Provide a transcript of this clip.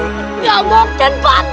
ga mungkin pak deh